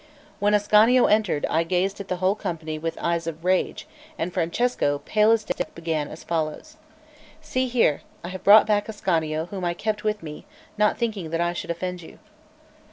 When Ascanio entered, I gazed at the whole company with eyes of rage, and Francesco, pale as death, began as follows: "See here, I have brought back Ascanio, whom I kept with me, not thinking that I should offend you."